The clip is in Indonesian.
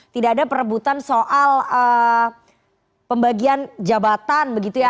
tidak ada perebutan soal pembagian jabatan begitu ya